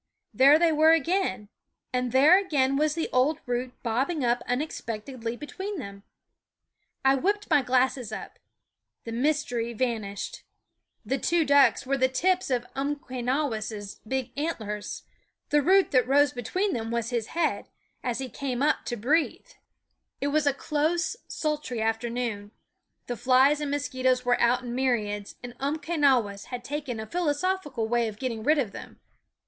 There they were again; and there again was the old root bobbing up unexpectedly between them. I whipped my glasses up the mystery van ished. The two ducks were the tips of Umquenawis' big antlers; the root that rose between them was his head, as he came up to breathe. THE WOODS It was a close, sultry afternoon; the flies and mosquitoes were out in myriads, and Umquenawis had taken a philosophical way of getting rid of them.